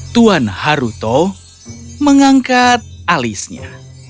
tuan haruto mengangkat alisnya